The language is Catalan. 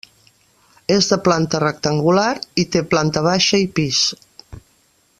És de planta rectangular i té planta baixa i pis.